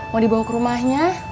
mau dibawa ke rumahnya